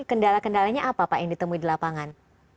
kendala kendalanya apa pak yang ditemui di lapangan